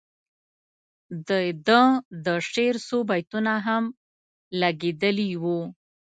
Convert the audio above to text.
د ده د شعر څو بیتونه هم لګیدلي وو.